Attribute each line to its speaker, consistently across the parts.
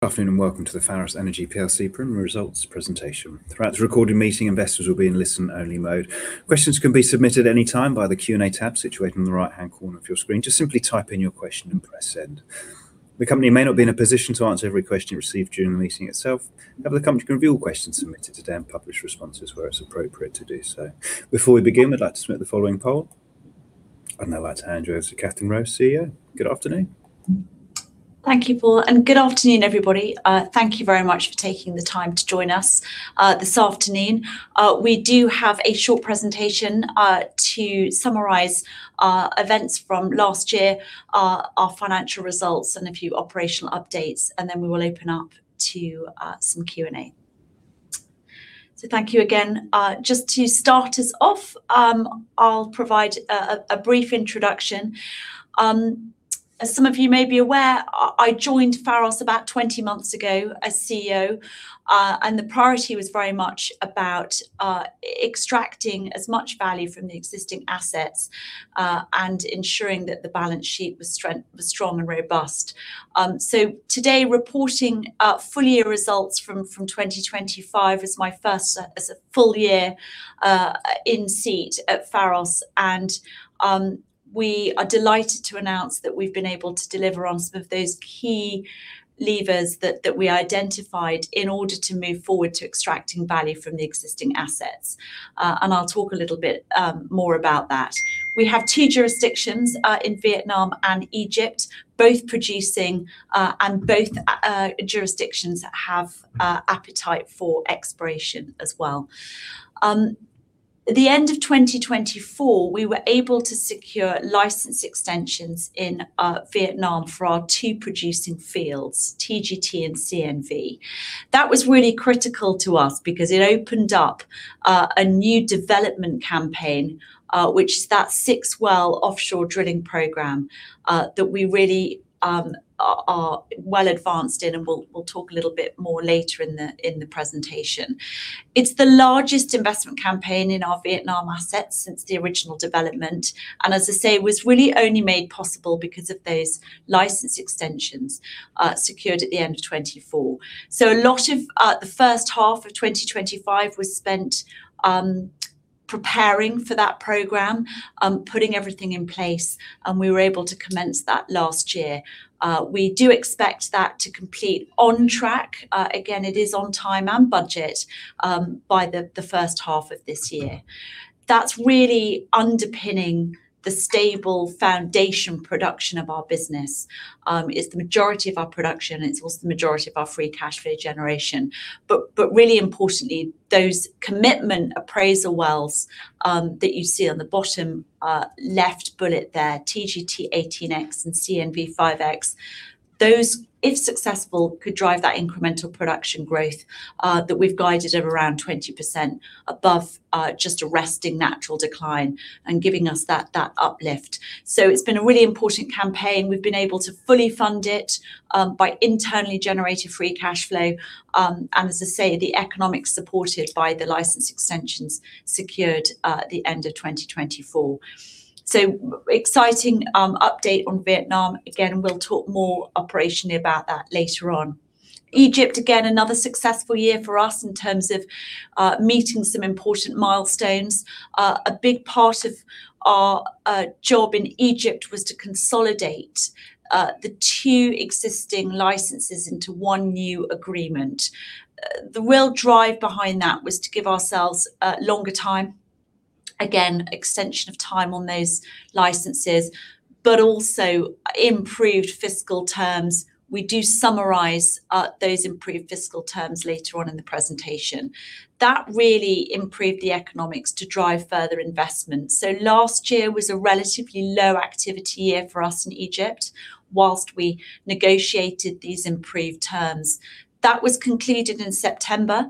Speaker 1: Good afternoon and welcome to the Pharos Energy plc preliminary results presentation. Throughout the recorded meeting, investors will be in listen-only mode. Questions can be submitted any time via the Q&A tab situated in the right-hand corner of your screen just simply type in your question and press send. The company may not be in a position to answer every question received during the meeting itself, however, the company can review all questions submitted today and publish responses where it's appropriate to do so. Before we begin, we'd like to submit the following poll. I'd now like to hand you over to Katherine Roe, CEO. Good afternoon.
Speaker 2: Thank you, Paul, and good afternoon, everybody. Thank you very much for taking the time to join us this afternoon. We do have a short presentation to summarize events from last year, our financial results and a few operational updates, and then we will open up to some Q&A. Thank you again. Just to start us off, I'll provide a brief introduction. As some of you may be aware, I joined Pharos about 20 months ago as CEO. The priority was very much about extracting as much value from the existing assets, and ensuring that the balance sheet was strong and robust. Today, we're reporting full year results from 2025 as my first full year in the seat at Pharos, and we are delighted to announce that we've been able to deliver on some of those key levers that we identified in order to move forward to extracting value from the existing assets. I'll talk a little bit more about that. We have two jurisdictions in Vietnam and Egypt, both producing, and both jurisdictions have appetite for exploration as well. At the end of 2024, we were able to secure license extensions in Vietnam for our two producing fields, TGT and CNV. That was really critical to us because it opened up a new development campaign, which the six-well offshore drilling program that we really are well advanced in and we'll talk a little bit more later in the presentation. It's the largest investment campaign in our Vietnam assets since the original development, and as I say, was really only made possible because of those license extensions secured at the end of 2024. A lot of the first half of 2025 was spent preparing for that program, putting everything in place, and we were able to commence that last year. We do expect that to complete on track. Again, it is on time and budget by the first half of this year. That's really underpinning the stable foundation production of our business. It's the majority of our production, and it's also the majority of our free cash flow generation. Really importantly, those commitment appraisal wells that you see on the bottom left bullet there, TGT-18X and CNV-5X, if successful, could drive that incremental production growth that we've guided at around 20% above just arresting natural decline and giving us that uplift. It's been a really important campaign we've been able to fully fund it by internally generated free cash flow, and as I say, the economics supported by the license extensions secured at the end of 2024. Exciting update on Vietnam. Again, we'll talk more operationally about that later on. Egypt, again, another successful year for us in terms of meeting some important milestones. A big part of our job in Egypt was to consolidate the two existing licenses into one new agreement. The real drive behind that was to give ourselves longer time, again, extension of time on those licenses, but also improved fiscal terms. We do summarize those improved fiscal terms later on in the presentation. That really improved the economics to drive further investment so last year was a relatively low activity year for us in Egypt whilst we negotiated these improved terms. That was concluded in September.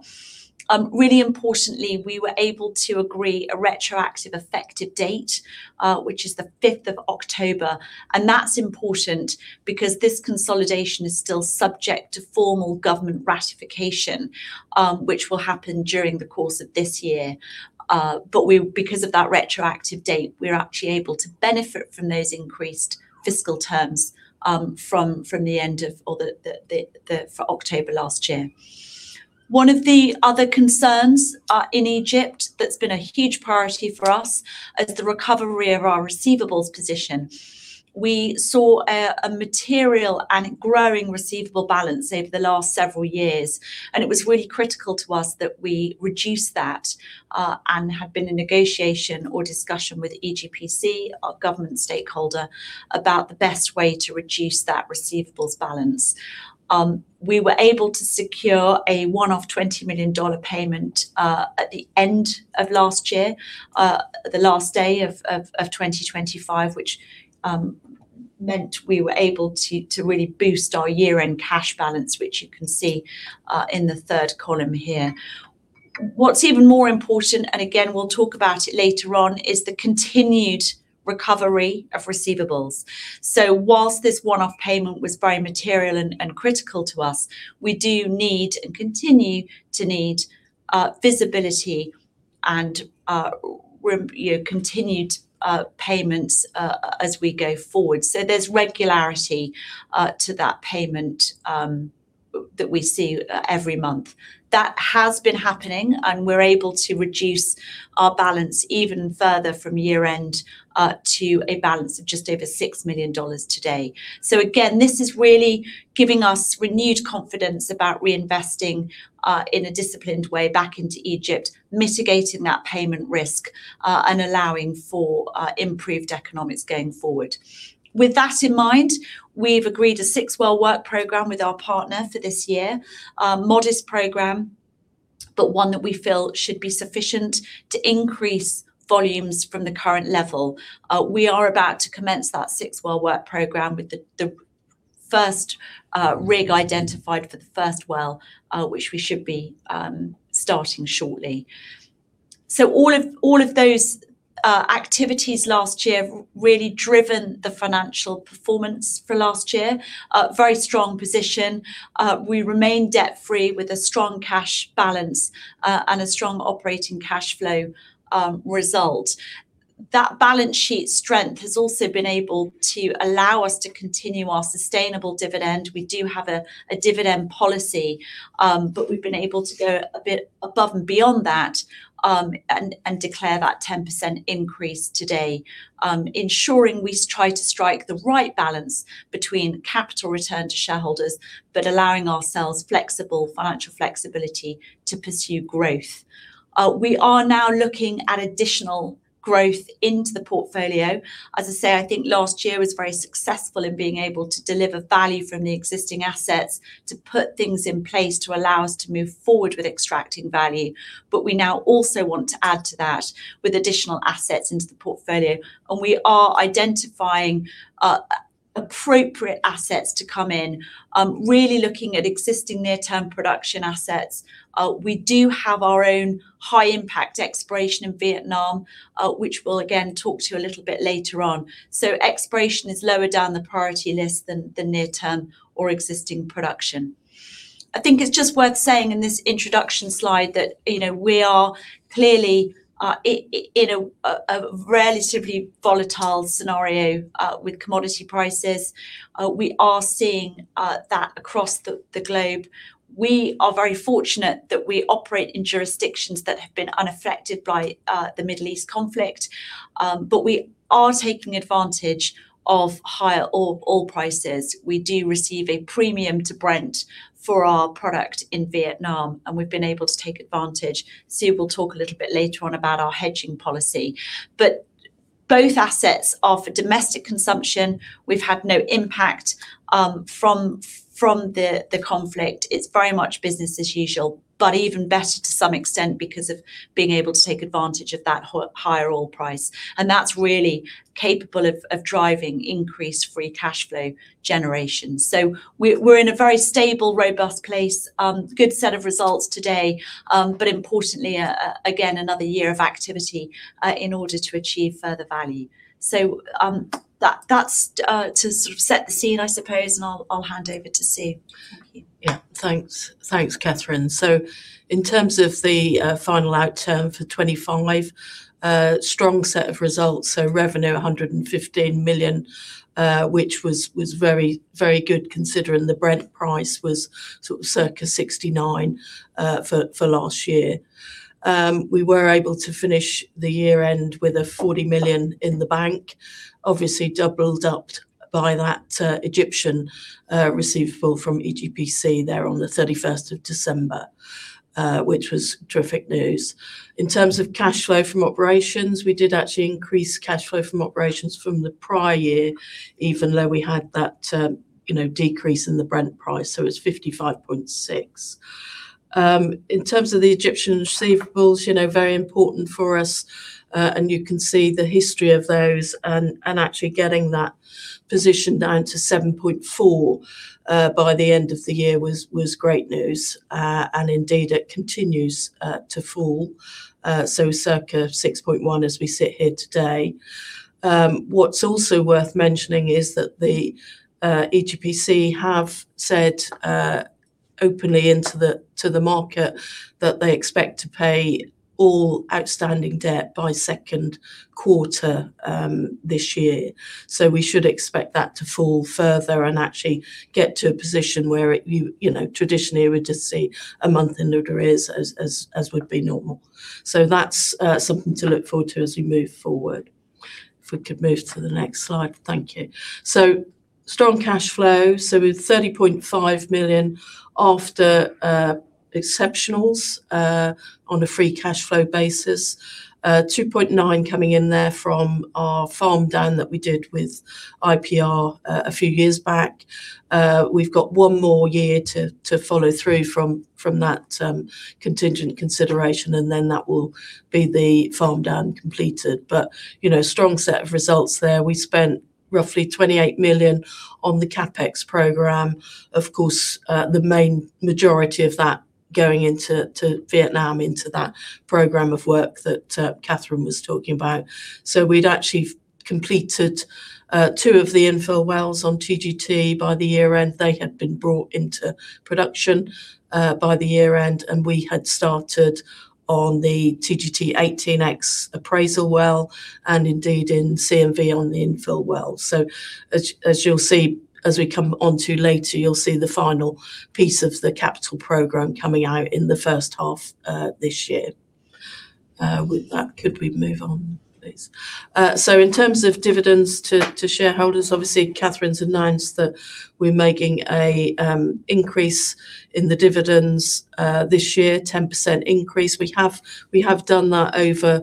Speaker 2: Really importantly, we were able to agree a retroactive effective date, which is the 5 October, and that's important because this consolidation is still subject to formal government ratification, which will happen during the course of this year. Because of that retroactive date, we're actually able to benefit from those increased fiscal terms from October last year. One of the other concerns in Egypt that's been a huge priority for us is the recovery of our receivables position. We saw a material and growing receivable balance over the last several years, and it was really critical to us that we reduce that and had been in negotiation or discussion with EGPC, our government stakeholder, about the best way to reduce that receivables balance. We were able to secure a one-off $20 million payment at the end of last year, the last day of 2025, which meant we were able to really boost our year-end cash balance, which you can see in the third column here. What's even more important, and again, we'll talk about it later on, is the continued recovery of receivables. While this one-off payment was very material and critical to us, we do need and continue to need visibility and we're, you know, continuing payments as we go forward there's regularity to that payment that we see every month. That has been happening, and we're able to reduce our balance even further from year-end to a balance of just over $6 million today. Again, this is really giving us renewed confidence about reinvesting in a disciplined way back into Egypt, mitigating that payment risk, and allowing for improved economics going forward. With that in mind, we've agreed a 6-well work program with our partner for this year. Modest program, but one that we feel should be sufficient to increase volumes from the current level. We are about to commence that 6-well work program with the first rig identified for the first well, which we should be starting shortly. All of those activities last year have really driven the financial performance for last year. Very strong position. We remain debt-free with a strong cash balance, and a strong operating cash flow result. That balance sheet strength has also been able to allow us to continue our sustainable dividend we do have a dividend policy, but we've been able to go a bit above and beyond that, and declare that 10% increase today, ensuring we try to strike the right balance between capital return to shareholders, but allowing ourselves flexible financial flexibility to pursue growth. We are now looking at additional growth into the portfolio. As I say, I think last year was very successful in being able to deliver value from the existing assets to put things in place to allow us to move forward with extracting value. We now also want to add to that with additional assets into the portfolio, and we are identifying appropriate assets to come in. Really looking at existing near-term production assets. We do have our own high-impact exploration in Vietnam, which we'll again talk to you a little bit later on. Exploration is lower down the priority list than the near term or existing production. I think it's just worth saying in this introduction slide that, you know, we are clearly in a relatively volatile scenario with commodity prices. We are seeing that across the globe. We are very fortunate that we operate in jurisdictions that have been unaffected by the Middle East conflict. We are taking advantage of higher oil prices, we do receive a premium to Brent for our product in Vietnam, and we've been able to take advantage. Sue will talk a little bit later on about our hedging policy. Both assets are for domestic consumption. We've had no impact from the conflict it's very much business as usual, but even better to some extent because of being able to take advantage of that higher oil price. That's really capable of driving increased free cash flow generations. We're in a very stable, robust place. Good set of results today. Importantly, again, another year of activity in order to achieve further value. That's to sort of set the scene, I suppose, and I'll hand over to Sue. Thank you.
Speaker 3: Thanks, Katherine. In terms of the final outturn for 2025, strong set of results so revenue $115 million, which was very good considering the Brent price was sort of circa $69 million for last year. We were able to finish the year-end with $40 million in the bank, obviously doubled up by that Egyptian receivable from EGPC there on the 31 December, which was terrific news. In terms of cash flow from operations, we did actually increase cash flow from operations from the prior year, even though we had that decrease in the Brent price it's $55.6 million. In terms of the Egyptian receivables, you know, very important for us, and you can see the history of those and actually getting that position down to $7.4 million by the end of the year was great news. Indeed, it continues to fall, so circa $6.1 million as we sit here today. What's also worth mentioning is that the EGPC have said openly to the market that they expect to pay all outstanding debt by Q2 this year. We should expect that to fall further and actually get to a position where it, you know, traditionally, we just see a month in arrears as would be normal. That's something to look forward to as we move forward. If we could move to the next slide. Thank you. Strong cash flow with $30.5 million after exceptionals on a free cash flow basis. 2.9 coming in there from our farm down that we did with IPR a few years back. We've got one more year to follow through from that contingent consideration, and then that will be the farm down completed. You know, strong set of results there we spent roughly $28 million on the CapEx program. Of course, the main majority of that going into Vietnam, into that program of work that Katherine was talking about. We'd actually completed two of the infill wells on TGT by the year end they had been brought into production by year end, and we had started on the TGT-18X appraisal well, and indeed in CNV on the infill well. As you'll see, as we come onto later, you'll see the final piece of the capital program coming out in the first half this year. With that, could we move on, please? In terms of dividends to shareholders, obviously Katherine's announced that we are making a increase in the dividends this year, 10% increase we have done that over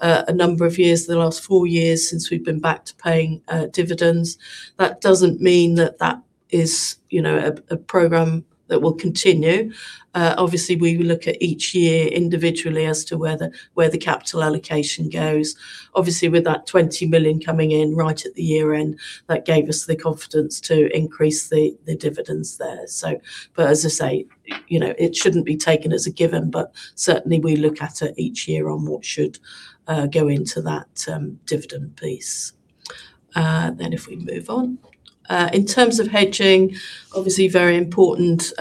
Speaker 3: a number of years, the last four years since we've been back to paying dividends. That doesn't mean that is, you know, a program that will continue. Obviously we look at each year individually as to where the capital allocation goes. Obviously, with that $20 million coming in right at the year end, that gave us the confidence to increase the dividends there. As I say, you know, it shouldn't be taken as a given. Certainly we look at it each year on what should go into that dividend piece. If we move on. In terms of hedging, obviously very important,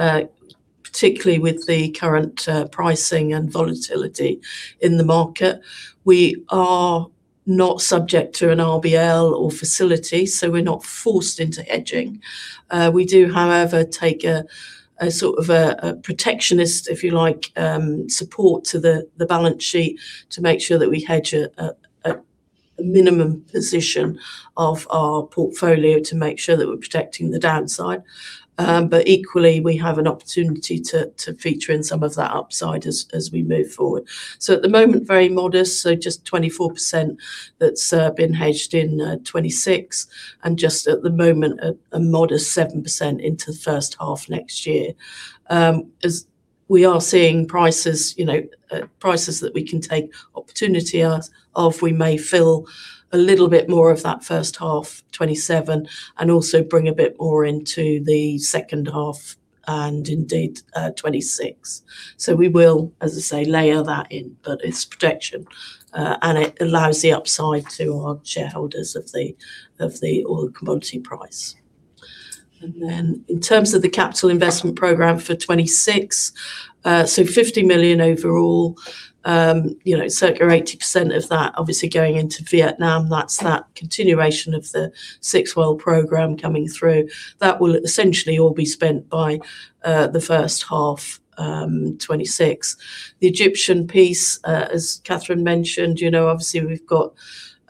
Speaker 3: particularly with the current pricing and volatility in the market. We are not subject to an RBL or facility, so we're not forced into hedging. We do, however, take a sort of a protectionist, if you like, support to the balance sheet to make sure that we hedge a minimum position of our portfolio to make sure that we're protecting the downside. Equally, we have an opportunity to feature in some of that upside as we move forward. At the moment, very modest, just 24% that's been hedged in 2026, and just at the moment, a modest 7% into the first half next year. As we are seeing prices, you know, prices that we can take opportunity out of, we may fill a little bit more of that first half 2027, and also bring a bit more into the second half and indeed 2026. We will, as I say, layer that in, but it's protection. It allows the upside to our shareholders of the oil commodity price. Then in terms of the capital investment program for 2026, $50 million overall. You know, circa 80% of that obviously going into Vietnam that's that continuation of the six-well program coming through. That will essentially all be spent by the first half of 2026. The Egyptian piece, as Katherine mentioned, you know, obviously we've got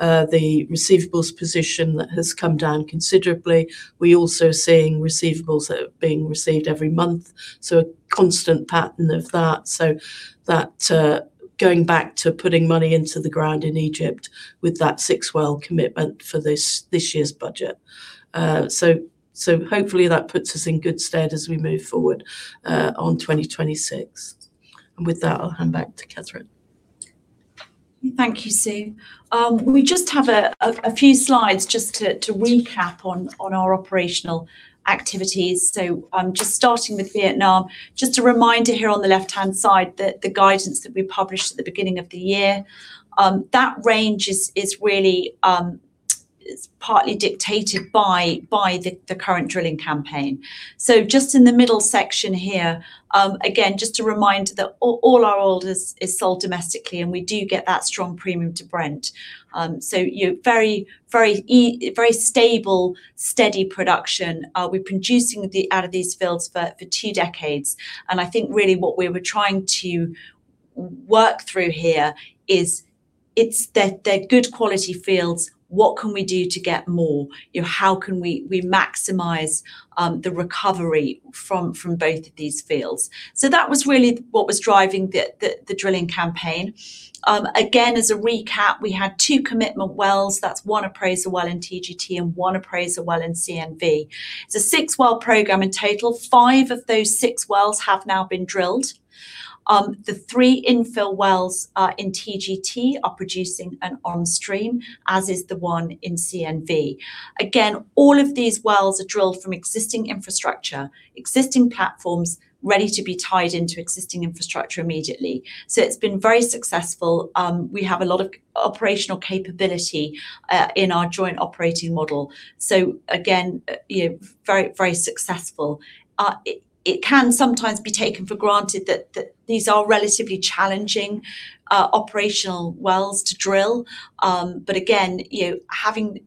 Speaker 3: the receivables position that has come down considerably. We're also seeing receivables that are being received every month, so a constant pattern of that. That going back to putting money into the ground in Egypt with that 6-well commitment for this year's budget. Hopefully that puts us in good stead as we move forward on 2026. With that, I'll hand back to Katherine.
Speaker 2: Thank you, Sue. We just have a few slides just to recap on our operational activities. Just starting with Vietnam. Just a reminder here on the left-hand side that the guidance that we published at the beginning of the year, that range is really partly dictated by the current drilling campaign. Just in the middle section here, again, just a reminder that all our oil is sold domestically, and we do get that strong premium to Brent. You know, very stable, steady production. We're producing out of these fields for two decades, and I think really what we were trying to work through here is they're good quality fields. What can we do to get more? You know, how can we maximize the recovery from both of these fields? That was really what was driving the drilling campaign. Again, as a recap, we had two commitment wells that's one appraisal well in TGT and one appraisal well in CNV. It's a 6-well program in total five of those six wells have now been drilled. The three infill wells in TGT are producing and on stream, as is the one in CNV. Again, all of these wells are drilled from existing infrastructure, existing platforms, ready to be tied into existing infrastructure immediately. It's been very successful. We have a lot of operational capability in our joint operating model. Again, you know, very, very successful. It can sometimes be taken for granted that these are relatively challenging, operational wells to drill. But again, you know, having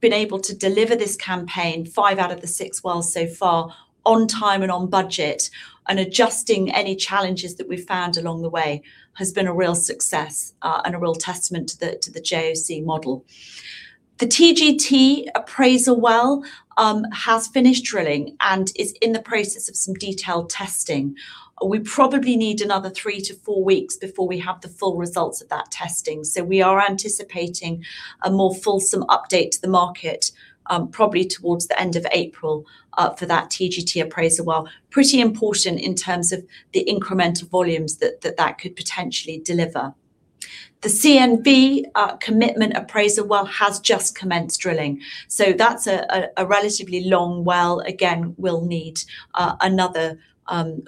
Speaker 2: been able to deliver this campaign, five out of the 6-wells so far, on time and on budget, and adjusting any challenges that we've found along the way, has been a real success, and a real testament to the JOC model. The TGT appraisal well has finished drilling and is in the process of some detailed testing. We probably need another three to four weeks before we have the full results of that testing so we are anticipating a more fulsome update to the market, probably towards the end of April, for that TGT appraisal well. Pretty important in terms of the incremental volumes that could potentially deliver. The CNV commitment appraisal well has just commenced drilling. That's a relatively long well, again, we'll need another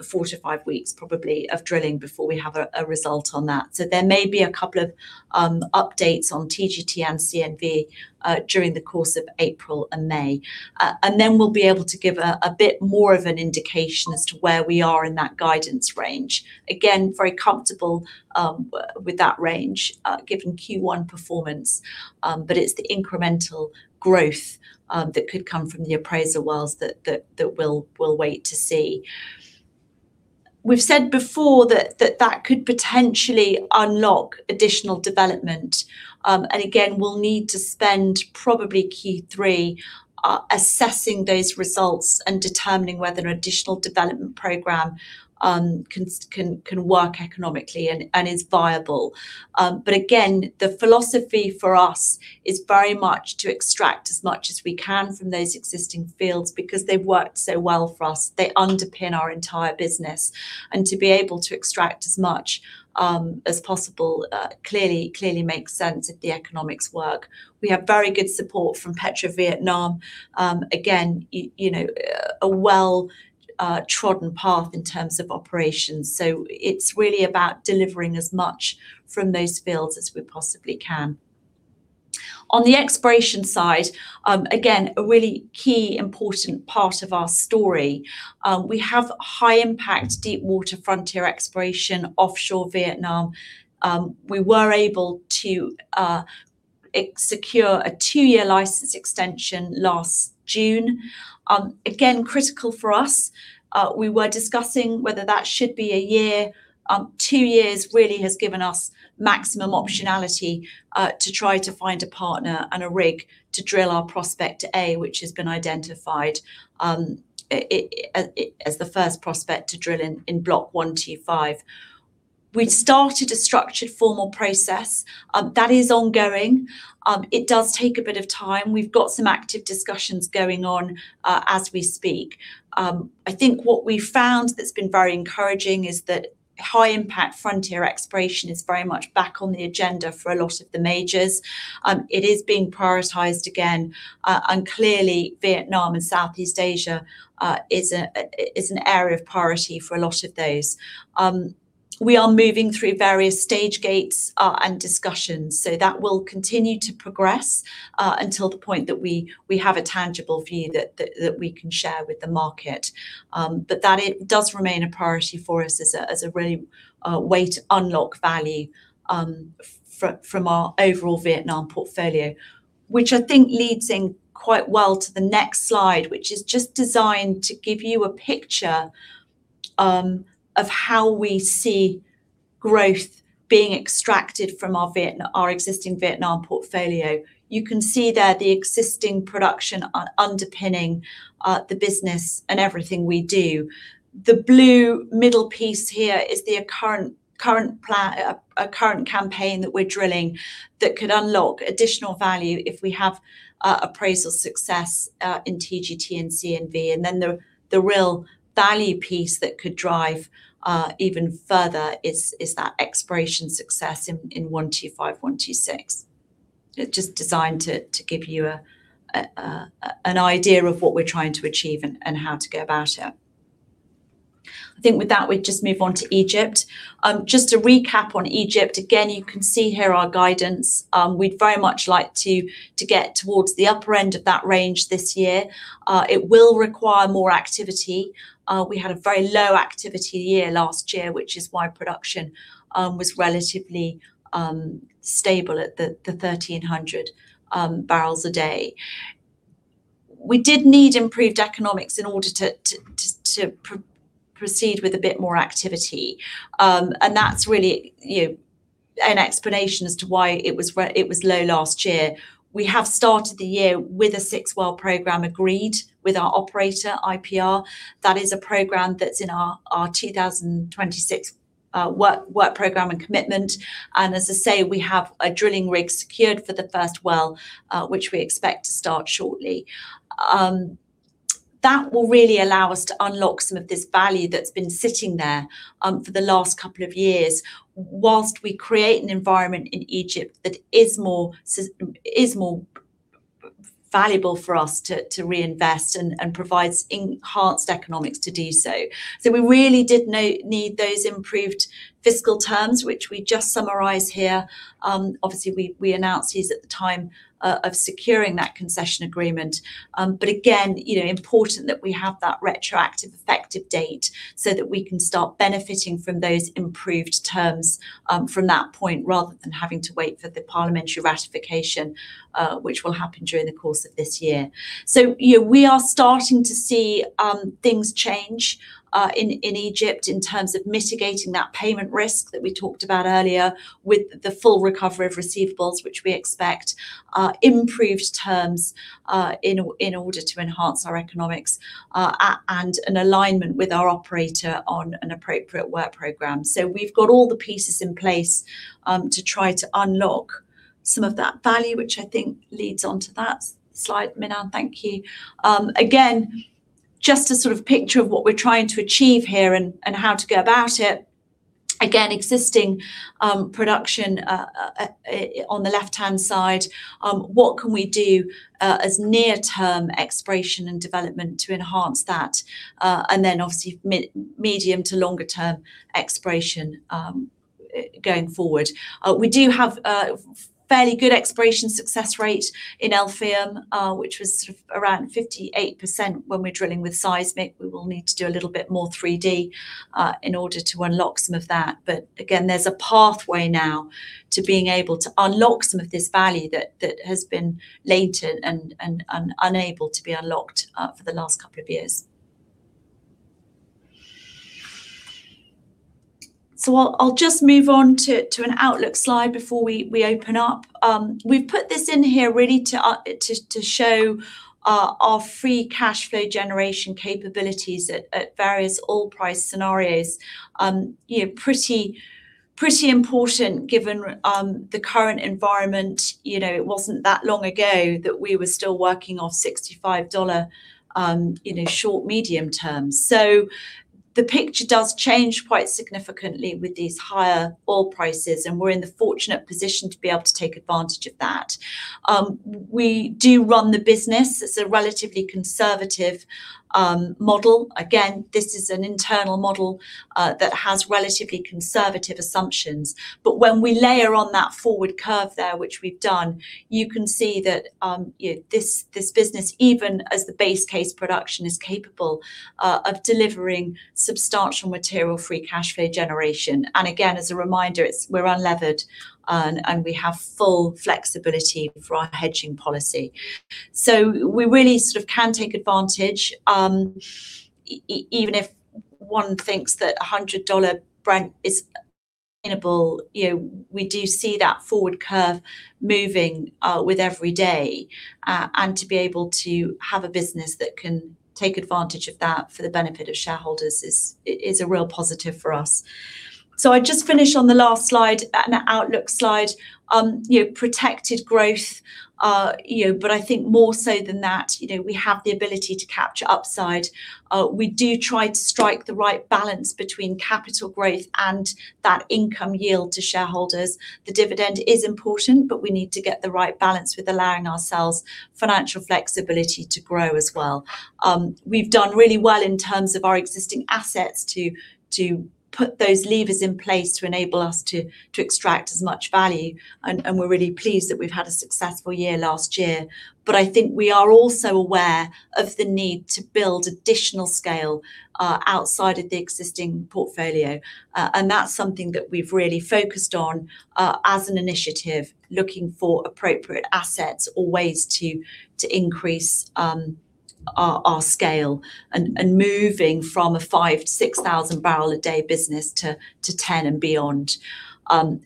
Speaker 2: four to five weeks probably of drilling before we have a result on that. So there may be a couple of updates on TGT and CNV during the course of April and May. Then we'll be able to give a bit more of an indication as to where we are in that guidance range. Again, very comfortable with that range given Q1 performance. It's the incremental growth that could come from the appraisal wells that we'll wait to see. We've said before that that could potentially unlock additional development. Again, we'll need to spend probably Q3 assessing those results and determining whether an additional development program can work economically and is viable. Again, the philosophy for us is very much to extract as much as we can from those existing fields because they've worked so well for us they underpin our entire business. To be able to extract as much as possible clearly makes sense if the economics work. We have very good support from PetroVietnam. Again, you know, a well trodden path in terms of operations. It's really about delivering as much from those fields as we possibly can. On the exploration side, again, a really key important part of our story. We have high impact, deep water frontier exploration offshore Vietnam. We were able to secure a two-year license extension last June. Again, critical for us. We were discussing whether that should be a year. Two years really has given us maximum optionality to try to find a partner and a rig to drill our Prospect A, which has been identified as the first prospect to drill in Blocks 125 & 126. We've started a structured formal process. That is ongoing. It does take a bit of time we've got some active discussions going on as we speak. I think what we've found that's been very encouraging is that high impact frontier exploration is very much back on the agenda for a lot of the majors. It is being prioritized again. Clearly, Vietnam and Southeast Asia is an area of priority for a lot of those. We are moving through various stage gates and discussions. That will continue to progress until the point that we have a tangible view that we can share with the market. That does remain a priority for us as a really way to unlock value from our overall Vietnam portfolio. Which I think leads in quite well to the next slide, which is just designed to give you a picture, of how we see growth being extracted from our existing Vietnam portfolio. You can see there the existing production underpinning the business and everything we do. The blue middle piece here is the current campaign that we're drilling that could unlock additional value if we have appraisal success in TGT and CNV then the real value piece that could drive even further is that exploration success in Blocks 125 &126. It's just designed to give you an idea of what we're trying to achieve and how to go about it. I think with that, we just move on to Egypt. Just to recap on Egypt, again, you can see here our guidance. We'd very much like to get towards the upper end of that range this year. It will require more activity. We had a very low activity year last year, which is why production was relatively stable at the 1,300bbl We did need improved economics in order to proceed with a bit more activity. That's really an explanation as to why it was low last year. We have started the year with a 6-well program agreed with our operator, IPR. That is a program that's in our 2026 work program and commitment. As I say, we have a drilling rig secured for the first well, which we expect to start shortly. That will really allow us to unlock some of this value that's been sitting there for the last couple of years. While we create an environment in Egypt that is more valuable for us to reinvest and provides enhanced economics to do so. We really did need those improved fiscal terms, which we just summarized here. Obviously, we announced these at the time of securing that concession agreement. Again, you know, important that we have that retroactive effective date so that we can start benefiting from those improved terms from that point, rather than having to wait for the parliamentary ratification, which will happen during the course of this year. You know, we are starting to see things change in Egypt in terms of mitigating that payment risk that we talked about earlier with the full recovery of receivables, which we expect, improved terms, in order to enhance our economics, and an alignment with our operator on an appropriate work program so we've got all the pieces in place to try to unlock some of that value, which I think leads on to that slide. Minh-Anh, thank you. Again, just a sort of picture of what we're trying to achieve here and how to go about it. Again, existing production on the left-hand side. What can we do as near term exploration and development to enhance that? And then obviously medium to longer term exploration going forward. We do have fairly good exploration success rate in El Fayum, which was sort of around 58% when we're drilling with seismic we will need to do a little bit more 3D in order to unlock some of that but again, there's a pathway now to being able to unlock some of this value that has been latent and unable to be unlocked for the last couple of years. I'll just move on to an outlook slide before we open up. We've put this in here really to show our free cash flow generation capabilities at various oil price scenarios. You know, pretty important given the current environment. You know, it wasn't that long ago that we were still working off $65 in a short, medium term. The picture does change quite significantly with these higher oil prices, and we're in the fortunate position to be able to take advantage of that. We do run the business as a relatively conservative model. Again, this is an internal model that has relatively conservative assumptions. When we layer on that forward curve there, which we've done, you can see that this business, even as the base case production is capable of delivering substantial material free cash flow generation and again, as a reminder, it's we're unlevered and we have full flexibility for our hedging policy. We really sort of can take advantage, even if one thinks that $100 Brent is sustainable, you know, we do see that forward curve moving with every day. To be able to have a business that can take advantage of that for the benefit of shareholders is a real positive for us. I just finish on the last slide, an outlook slide. You know, protected growth, you know, but I think more so than that, you know, we have the ability to capture upside. We do try to strike the right balance between capital growth and that income yield to shareholders. The dividend is important, but we need to get the right balance with allowing ourselves financial flexibility to grow as well. We've done really well in terms of our existing assets to put those levers in place to enable us to extract as much value, and we're really pleased that we've had a successful year last year. I think we are also aware of the need to build additional scale outside of the existing portfolio. That's something that we've really focused on as an initiative, looking for appropriate assets or ways to increase our scale, moving from a 5,000bbl to 6,000bbl business to 10,000bbl and beyond.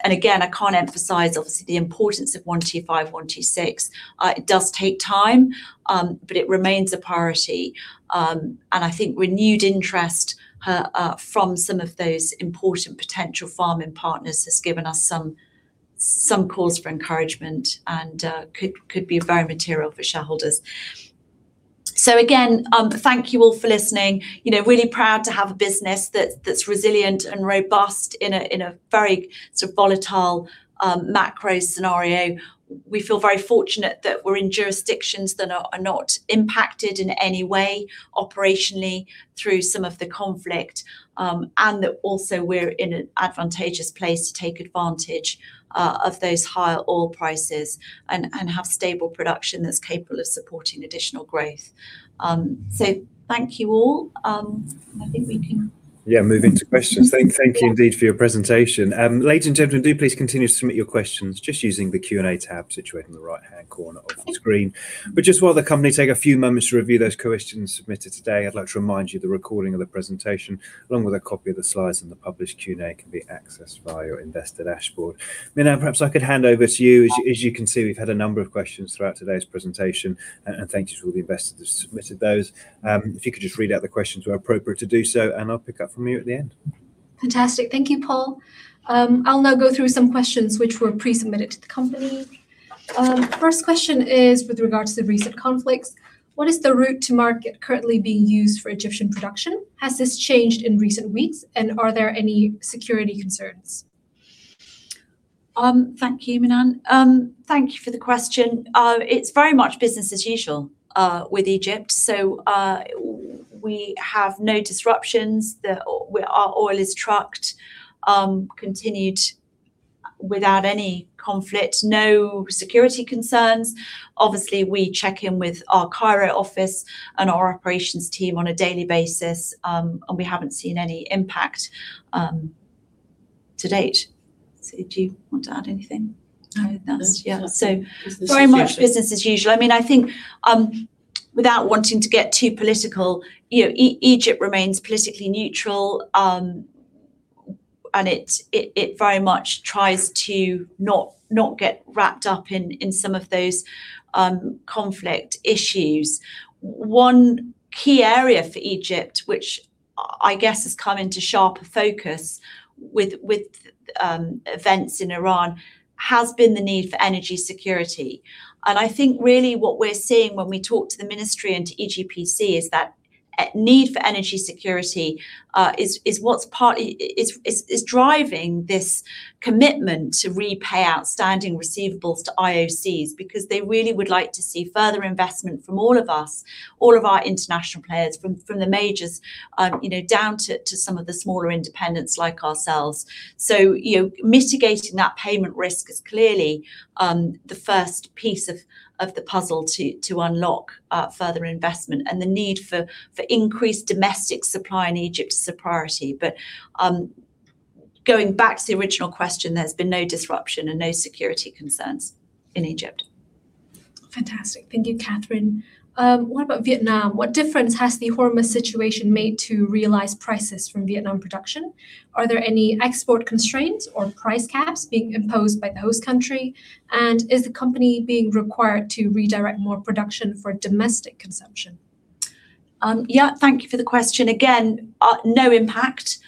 Speaker 2: Again, I can't emphasize obviously the importance of Blocks 125 & 126. It does take time, but it remains a priority. I think renewed interest from some of those important potential farming partners has given us some cause for encouragement and could be very material for shareholders. Again, thank you all for listening. You know, really proud to have a business that's resilient and robust in a very sort of volatile macro scenario. We feel very fortunate that we're in jurisdictions that are not impacted in any way operationally through some of the conflict, and that also we're in an advantageous place to take advantage of those higher oil prices and have stable production that's capable of supporting additional growth. Thank you all. I think we can-
Speaker 1: Yeah, move into questions. Thank you indeed for your presentation. Ladies and gentlemen, do please continue to submit your questions just using the Q&A tab situated in the right-hand corner of your screen. Just while the company take a few moments to review those questions submitted today, I'd like to remind you the recording of the presentation along with a copy of the slides in the published Q&A can be accessed via your investor dashboard. Minh-Anh Nguyen, perhaps I could hand over to you. As you can see, we've had a number of questions throughout today's presentation, and thank you to all the investors who submitted those. If you could just read out the questions where appropriate to do so, and I'll pick up from you at the end.
Speaker 4: Fantastic. Thank you, Paul. I'll now go through some questions which were pre-submitted to the company. First question is with regards to the recent conflicts. What is the route to market currently being used for Egyptian production? Has this changed in recent weeks, and are there any security concerns?
Speaker 2: Thank you, Minh-Anh. Thank you for the question. It's very much business as usual with Egypt. We have no disruptions. Our oil is trucked, continued without any conflict no security concerns. Obviously, we check in with our Cairo office and our operations team on a daily basis. We haven't seen any impact to date.
Speaker 4: Do you want to add anything?
Speaker 3: No. No. That's..
Speaker 4: Yeah.
Speaker 3: Business as usual.
Speaker 2: Very much business as usual. I mean, I think, without wanting to get too political, you know, Egypt remains politically neutral. It very much tries to not get wrapped up in some of those conflict issues. One key area for Egypt which I guess has come into sharper focus with events in Iran has been the need for energy security. I think really what we're seeing when we talk to the ministry and to EGPC is that need for energy security is driving this commitment to repay outstanding receivables to IOC because they really would like to see further investment from all of us, all of our international players, from the majors, you know, down to some of the smaller independents like ourselves. You know, mitigating that payment risk is clearly the first piece of the puzzle to unlock further investment and the need for increased domestic supply in Egypt is a priority. Going back to the original question, there's been no disruption and no security concerns in Egypt.
Speaker 4: Fantastic. Thank you, Katherine. What about Vietnam? What difference has the Hormuz situation made to realized prices from Vietnam production? Are there any export constraints? or price caps? being imposed by the host country? Is the company being required to redirect more production for domestic consumption?
Speaker 2: Yeah. Thank you for the question again, no impact.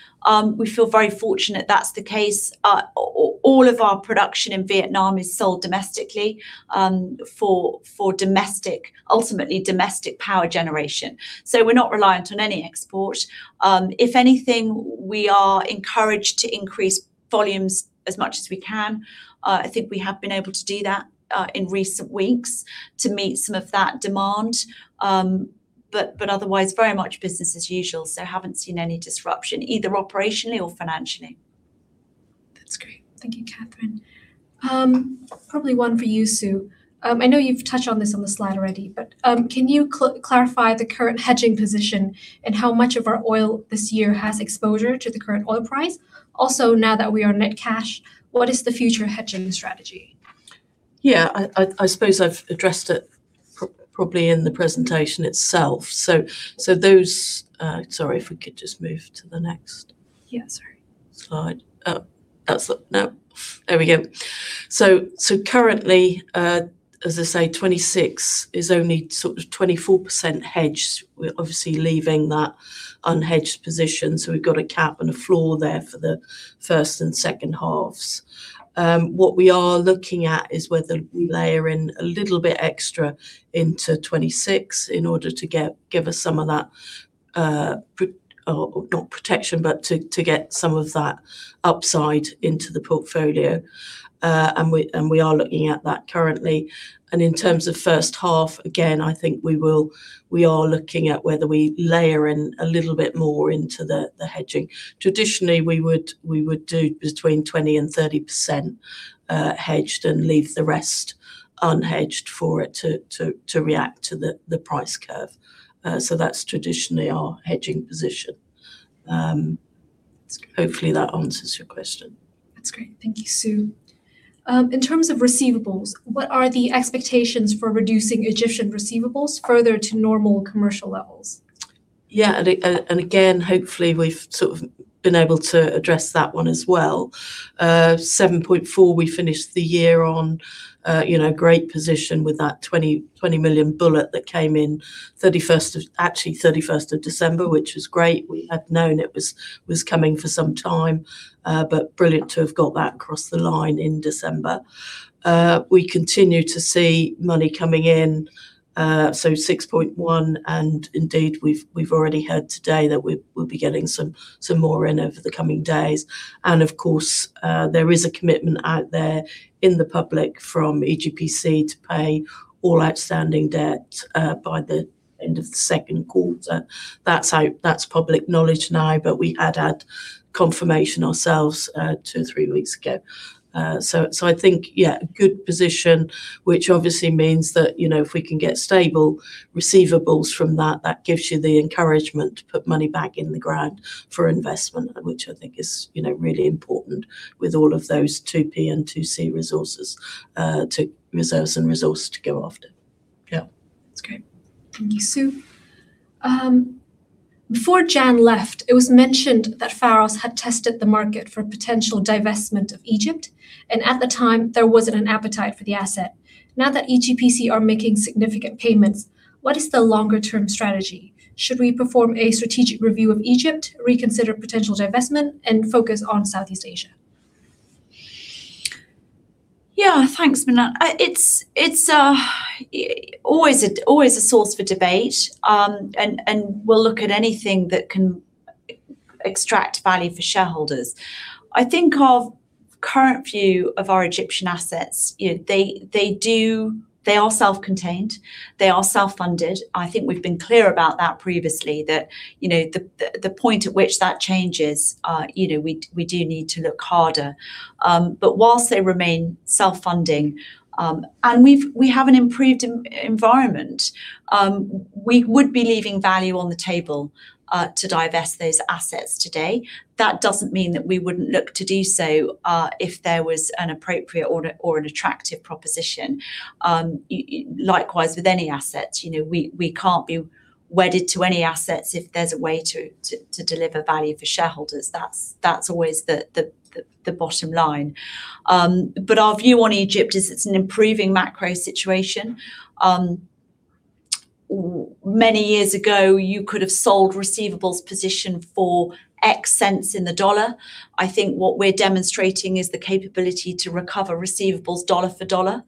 Speaker 2: We feel very fortunate that's the case. All of our production in Vietnam is sold domestically, for domestic, ultimately domestic power generation. We're not reliant on any export. If anything, we are encouraged to increase volumes as much as we can. I think we have been able to do that, in recent weeks to meet some of that demand. But otherwise, very much business as usual. Haven't seen any disruption, either operationally or financially.
Speaker 4: That's great. Thank you, Katherine. Probably one for you, Sue. I know you've touched on this on the slide already, but can you clarify the current hedging position and how much of our oil this year has exposure to the current oil price? Also, now that we are net cash, what is the future hedging strategy?
Speaker 3: Yeah. I suppose I've addressed it probably in the presentation itself. Sorry, if we could just move to the next.
Speaker 4: Yeah, sorry.
Speaker 3: Currently, as I say, 2026 is only sort of 24% hedged. We're obviously leaving that unhedged position so we've got a cap and a floor there for the first and second halves. What we are looking at is whether we layer in a little bit extra into 2026 in order to give us some of that protection, but to get some of that upside into the portfolio. We are looking at that currently. In terms of first half, again, I think we are looking at whether we layer in a little bit more into the hedging. Traditionally, we would do between 20% to 30% hedged and leave the rest unhedged for it to react to the price curve. That's traditionally our hedging position.
Speaker 4: That's great.
Speaker 3: Hopefully that answers your question.
Speaker 4: That's great. Thank you, Sue. In terms of receivables, what are the expectations for reducing Egyptian receivables further to normal commercial levels?
Speaker 3: Yeah. Hopefully we've sort of been able to address that one as well. $7.4 million, we finished the year on. You know, great position with that $20 million bullet that came in 31 December, which was great. We had known it was coming for some time. But brilliant to have got that across the line in December. We continue to see money coming in, so $6.1 million, and indeed, we've already heard today that we'll be getting some more in over the coming days. Of course, there is a commitment out there in the public from EGPC to pay all outstanding debt by the end of the Q2. That's public knowledge now, but we had had confirmation ourselves two to three weeks ago. I think, yeah, good position, which obviously means that, you know, if we can get stable receivables from that gives you the encouragement to put money back in the ground for investment which I think is, you know, really important with all of those 2P and 2C resources, reserves and resources to go after. That's great.
Speaker 4: Thank you, Sue. Before Jan left, it was mentioned that Pharos had tested the market for potential divestment of Egypt, and at the time, there wasn't an appetite for the asset. Now that EGPC are making significant payments, what is the longer term strategy? Should we perform a strategic review of Egypt? reconsider potential divestment, and focus on Southeast Asia?
Speaker 2: Yeah. Thanks, Minh-Anh Nguyen. It's always a source for debate. We'll look at anything that can extract value for shareholders. I think our current view of our Egyptian assets, you know, they are self-contained. They are self-funded. I think we've been clear about that previously, that, you know, the point at which that changes, you know, we do need to look harder. While they remain self-funding, and we have an improved environment, we would be leaving value on the table to divest those assets today. That doesn't mean that we wouldn't look to do so, if there was an appropriate or an attractive proposition. Likewise with any asset you know, we can't be wedded to any assets if there's a way to deliver value for shareholders that's always the bottom line. Our view on Egypt is it's an improving macro situation. Many years ago, you could have sold receivables position for $0.10 in the dollar. I think what we're demonstrating is the capability to recover receivables dollar for dollar.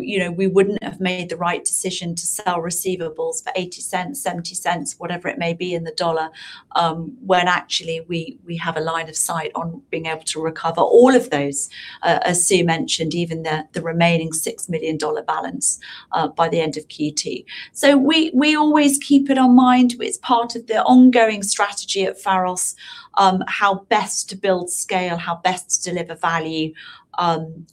Speaker 2: You know, we wouldn't have made the right decision to sell receivables for $0.80, $0.070, whatever it may be in the dollar, when actually we have a line of sight on being able to recover all of those, as Sue mentioned, even the remaining $6 million balance by the end of Q2. We always keep it in mind. It's part of the ongoing strategy at Pharos, how best to build scale, how best to deliver value.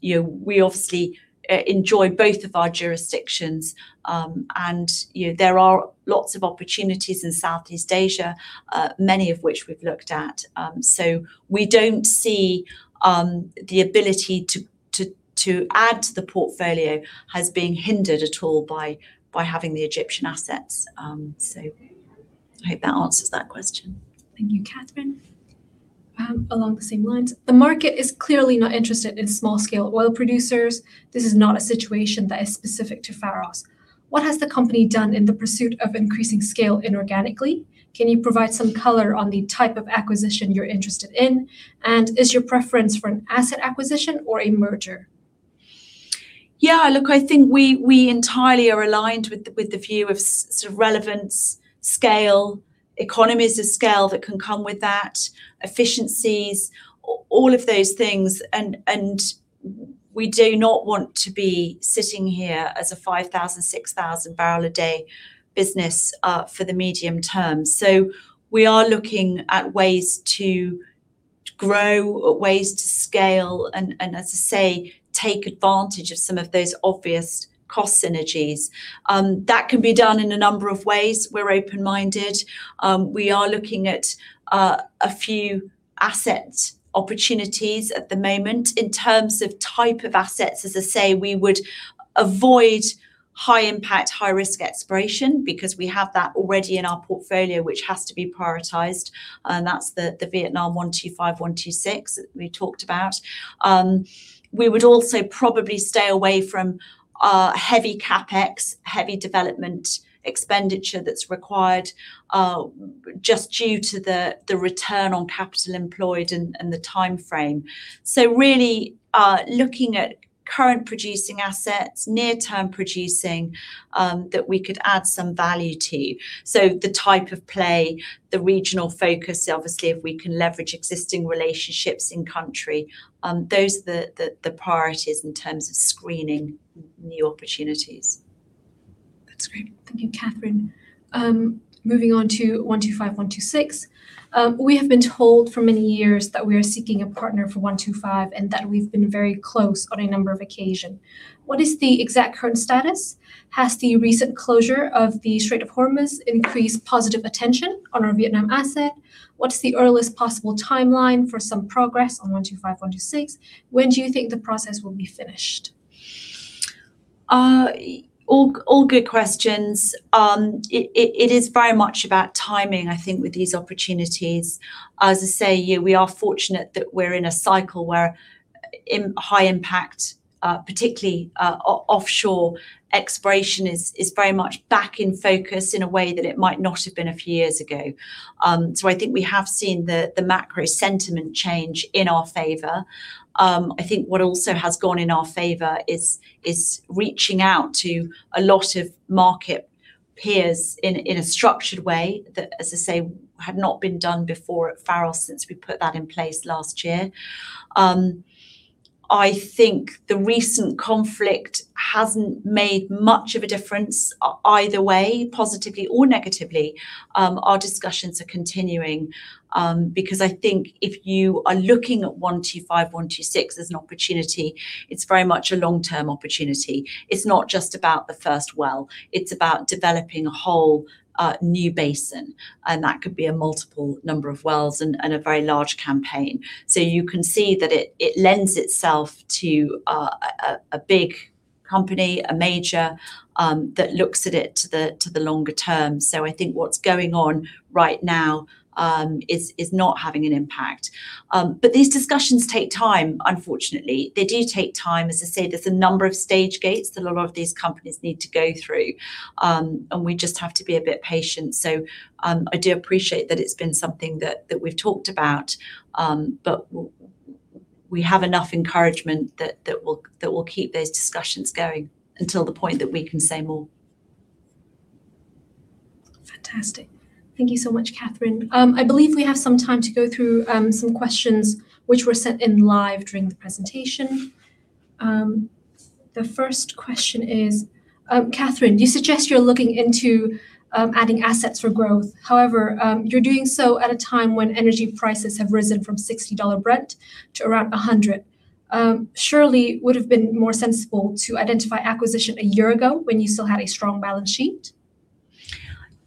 Speaker 2: You know, we obviously enjoy both of our jurisdictions. You know, there are lots of opportunities in Southeast Asia, many of which we've looked at. We don't see the ability to add to the portfolio as being hindered at all by having the Egyptian assets. I hope that answers that question.
Speaker 4: Thank you, Katherine. Along the same lines, the market is clearly not interested in small scale oil producers. This is not a situation that is specific to Pharos. What has the company done in the pursuit of increasing scale inorganically? Can you provide some color on the type of acquisition you're interested in? Is your preference for an asset acquisition or a merger?
Speaker 2: Yeah, look, I think we entirely are aligned with the view of relevance, scale, economies of scale that can come with that, efficiencies, all of those things. We do not want to be sitting here as a 5,000bbl, 6,000bbl business for the medium term. We are looking at ways to grow, ways to scale, and as I say, take advantage of some of those obvious cost synergies. That can be done in a number of ways. We're open-minded. We are looking at a few asset opportunities at the moment in terms of type of assets, as I say, we would avoid high impact, high risk exploration because we have that already in our portfolio, which has to be prioritized. That's the Vietnam Blocks 125 & 126 that we talked about. We would also probably stay away from heavy CapEx, heavy development expenditure that's required just due to the return on capital employed and the timeframe. Really looking at current producing assets, near-term producing that we could add some value to. The type of play, the regional focus, obviously, if we can leverage existing relationships in country, those are the priorities in terms of screening new opportunities.
Speaker 4: That's great. Thank you, Katherine. Moving on to Blocks 125 & 126. We have been told for many years that we are seeking a partner for Blocks 125 & 126 and that we've been very close on a number of occasions. What is the exact current status? Has the recent closure of the Strait of Hormuz increased positive attention on our Vietnam asset? What's the earliest possible timeline for some progress on Blocks 125 & 126? When do you think the process will be finished?
Speaker 2: All good questions. It is very much about timing, I think, with these opportunities. As I say, we are fortunate that we're in a cycle where high impact, particularly offshore exploration is very much back in focus in a way that it might not have been a few years ago. I think we have seen the macro sentiment change in our favor. I think what also has gone in our favor is reaching out to a lot of market peers in a structured way that, as I say, had not been done before at Pharos since we put that in place last year. I think the recent conflict hasn't made much of a difference either way, positively or negatively. Our discussions are continuing because I think if you are looking at Blocks 125 & 126 as an opportunity, it's very much a long-term opportunity. It's not just about the first well. It's about developing a whole new basin. That could be a multiple number of wells and a very large campaign. You can see that it lends itself to a big company, a major that looks at it to the longer term so i think what's going on right now is not having an impact. These discussions take time, unfortunately. They do take time as I say, there's a number of stage gates that a lot of these companies need to go through. We just have to be a bit patient. I do appreciate that it's been something that we've talked about. We have enough encouragement that we'll keep those discussions going until the point that we can say more.
Speaker 4: Fantastic. Thank you so much, Katherine. I believe we have some time to go through some questions which were sent in live during the presentation. The first question is, Katherine, you suggest you're looking into adding assets for growth. However, you're doing so at a time when energy prices have risen from $60 Brent to around $100. Surely it would have been more sensible to identify acquisition a year ago when you still had a strong balance sheet?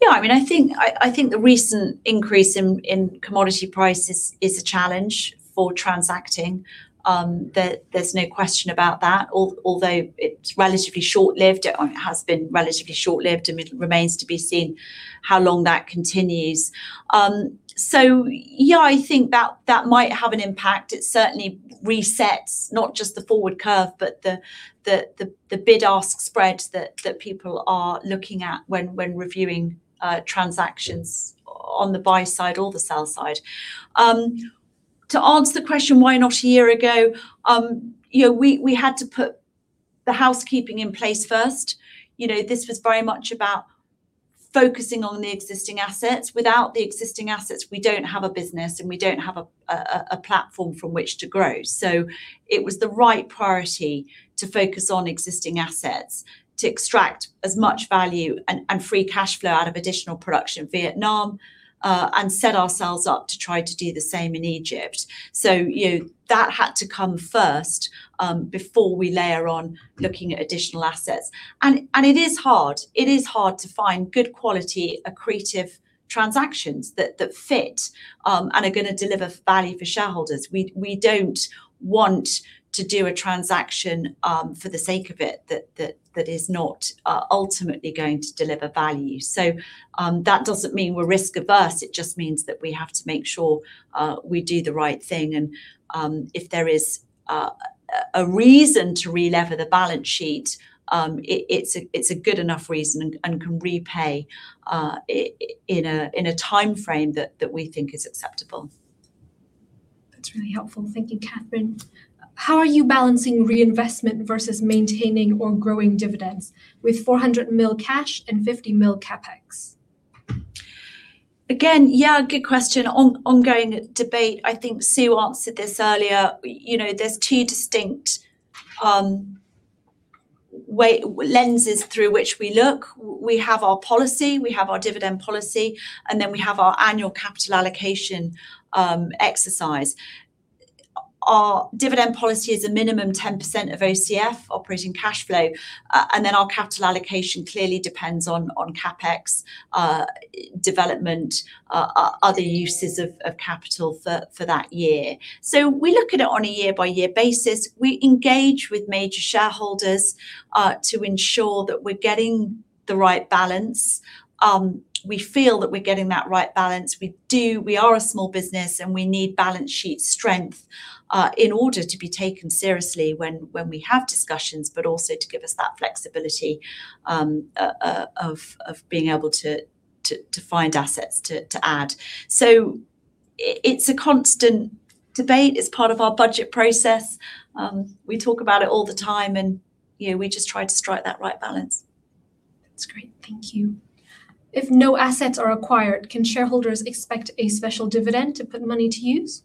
Speaker 2: Yeah, I mean, I think the recent increase in commodity prices is a challenge for transacting. There's no question about that, although it's relatively short-lived it has been relatively short-lived and it remains to be seen how long that continues. Yeah, I think that might have an impact it certainly resets not just the forward curve, but the bid-ask spread that people are looking at when reviewing transactions. On the buy side or the sell side. To answer the question why not a year ago, you know, we had to put the housekeeping in place first. You know, this was very much about focusing on the existing assets without the existing assets, we don't have a business, and we don't have a platform from which to grow. It was the right priority to focus on existing assets, to extract as much value and free cash flow out of additional production in Vietnam, and set ourselves up to try to do the same in Egypt. You know, that had to come first, before we layer on looking at additional assets. It is hard to find good quality, accretive transactions that fit and are gonna deliver value for shareholders we don't want to do a transaction for the sake of it that is not ultimately going to deliver value. That doesn't mean we're risk averse. It just means that we have to make sure we do the right thing. If there is a reason to relever the balance sheet, it's a good enough reason and can repay in a timeframe that we think is acceptable.
Speaker 4: That's really helpful thank you, Katherine. How are you balancing reinvestment versus maintaining or growing dividends with $400 million cash and $50 million CapEx?
Speaker 2: Again, yeah, good question. Ongoing debate. I think Sue answered this earlier. You know, there's two distinct lenses through which we look. We have our policy, we have our dividend policy, and then we have our annual capital allocation exercise. Our dividend policy is a minimum 10% of OCF, operating cash flow. Our capital allocation clearly depends on CapEx, development, other uses of capital for that year. We look at it on a year by year basis. We engage with major shareholders to ensure that we're getting the right balance. We feel that we're getting that right balance we do we are a small business, and we need balance sheet strength in order to be taken seriously when we have discussions, but also to give us that flexibility, of being able to find assets to add. It's a constant debate it's part of our budget process. We talk about it all the time, and you know, we just try to strike that right balance.
Speaker 4: That's great. Thank you. If no assets are acquired, can shareholders expect a special dividend to put money to use?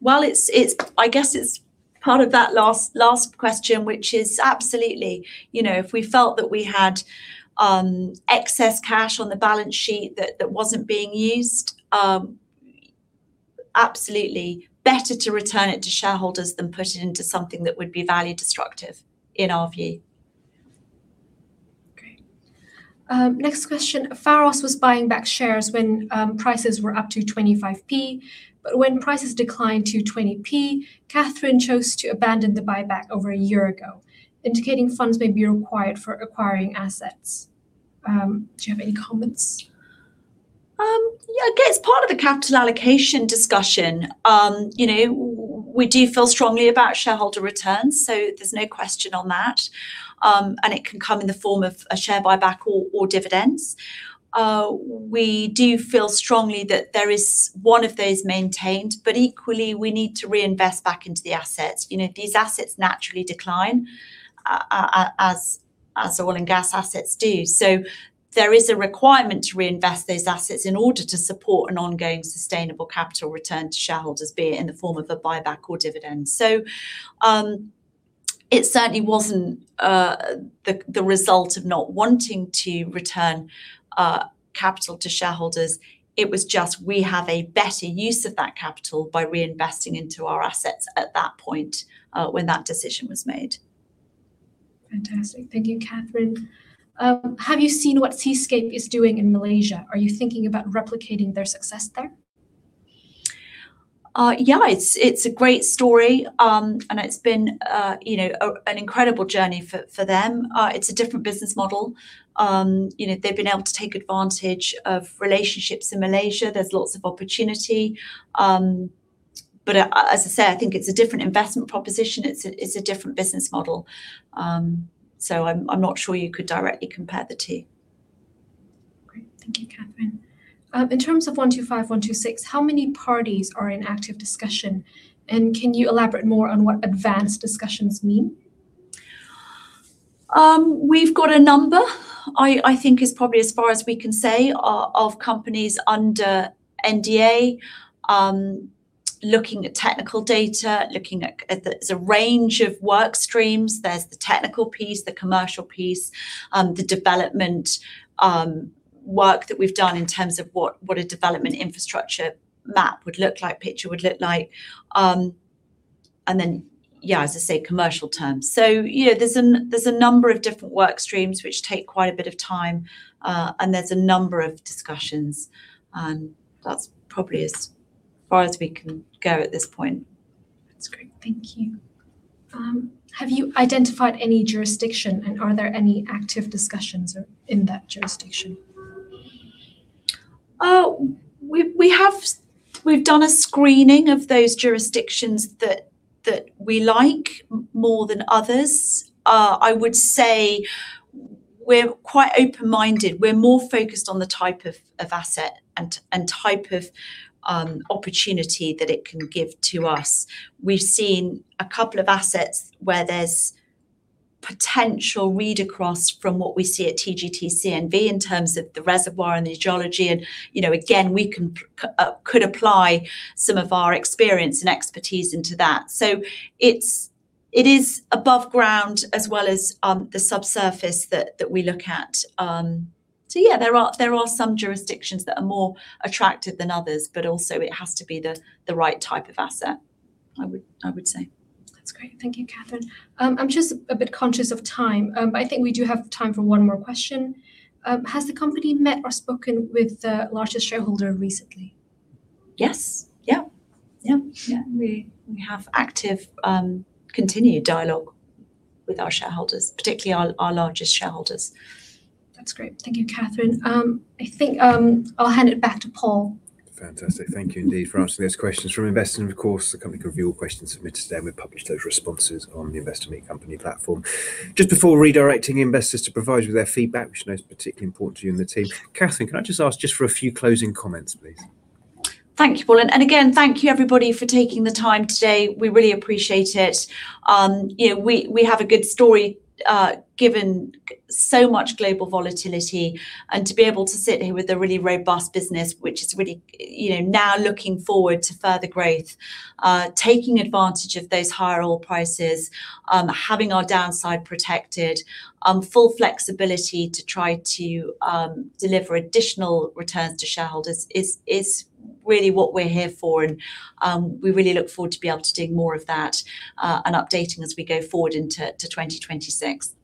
Speaker 2: Well, it's. I guess it's part of that last question, which is absolutely. You know, if we felt that we had excess cash on the balance sheet that wasn't being used, absolutely. Better to return it to shareholders than put it into something that would be value destructive, in our view.
Speaker 4: Great. Next question. Pharos was buying back shares when prices were up to 25p. When prices declined to 20p, Katherine chose to abandon the buyback over a year ago, indicating funds may be required for acquiring assets. Do you have any comments?
Speaker 2: Yeah, I guess part of the capital allocation discussion. You know, we do feel strongly about shareholder returns, so there's no question on that. It can come in the form of a share buyback or dividends. We do feel strongly that there is one of those maintained, but equally, we need to reinvest back into the assets. You know, these assets naturally decline, as oil and gas assets do. There is a requirement to reinvest those assets in order to support an ongoing sustainable capital return to shareholders, be it in the form of a buyback or dividend. It certainly wasn't the result of not wanting to return capital to shareholders. It was just we have a better use of that capital by reinvesting into our assets at that point, when that decision was made.
Speaker 4: Fantastic. Thank you, Katherine. Have you seen what Seascape is doing in Malaysia? Are you thinking about replicating their success there?
Speaker 2: Yeah. It's a great story. It's been, you know, an incredible journey for them. It's a different business model. You know, they've been able to take advantage of relationships in Malaysia there's lots of opportunity. As I say, I think it's a different investment proposition it's a different business model. I'm not sure you could directly compare the two.
Speaker 4: Great. Thank you, Katherine. In terms of Blocks 125 & 126, how many parties are in active discussion? and can you elaborate more on what advanced discussions mean?
Speaker 2: We've got a number, I think is probably as far as we can say, of companies under NDA, looking at technical data, looking at the..there's a range of work streams there's the technical piece, the commercial piece, the development work that we've done in terms of what a development infrastructure map would look like, picture would look like. Then, yeah, as I say, commercial terms. You know, there's a number of different work streams which take quite a bit of time, and there's a number of discussions, and that's probably as far as we can go at this point.
Speaker 4: That's great. Thank you. Have you identified any jurisdiction, and are there any active discussions, in that jurisdiction?
Speaker 2: We've done a screening of those jurisdictions that we like more than others. I would say we're quite open-minded we're more focused on the type of asset and type of opportunity that it can give to us. We've seen a couple of assets where there's potential read across from what we see at TGT and CNV in terms of the reservoir and the geology, and you know, again, we could apply some of our experience and expertise into that. It is above ground as well as the subsurface that we look at. There are some jurisdictions that are more attractive than others, but also it has to be the right type of asset, I would say.
Speaker 4: That's great. Thank you, Katherine. I'm just a bit conscious of time. I think we do have time for one more question. Has the company met or spoken with the largest shareholder recently?
Speaker 2: Yes.
Speaker 3: Yes.
Speaker 2: We have active, continue dialogue to our shareholders. Strictly to a lot of shareholders.
Speaker 4: That's great. Thank you, Katherine. I think, I'll hand it back to Paul.
Speaker 1: Fantastic. Thank you indeed for answering those questions from investors, and of course, the company can review all questions submitted today, and we'll publish those responses on the Investor Meet Company platform. Just before redirecting investors to provide you with their feedback, which I know is particularly important to you and the team, Katherine, can I just ask for a few closing comments, please?
Speaker 2: Thank you, Paul. Again, thank you everybody for taking the time today. We really appreciate it. You know, we have a good story, given so much global volatility, and to be able to sit here with a really robust business, which is really, you know, now looking forward to further growth, taking advantage of those higher oil prices, having our downside protected, full flexibility to try to deliver additional returns to shareholders is really what we're here for. We really look forward to be able to do more of that and updating as we go forward into 2026.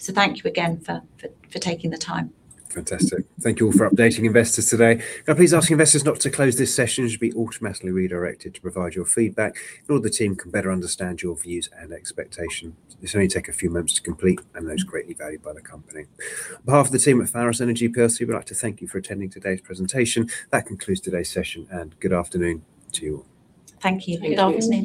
Speaker 2: Thank you again for taking the time.
Speaker 1: Fantastic. Thank you all for updating investors today. Can I please ask investors not to close this session? You should be automatically redirected to provide your feedback in order that the team can better understand your views and expectations. This will only take a few moments to complete and is greatly valued by the company. On behalf of the team at Pharos Energy plc, we'd like to thank you for attending today's presentation. That concludes today's session, and good afternoon to you all.
Speaker 2: Thank you.
Speaker 4: Thank you.